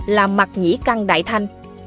làm mặt nhĩ căng đại thái cực